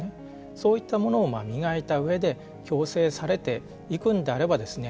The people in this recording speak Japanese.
そういったものを磨いたうえで共生されていくんであればですね